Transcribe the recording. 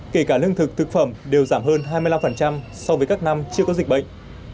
kể cả lương thực thực phẩm đều giảm hơn hai mươi năm so với các năm chưa có dịch bệnh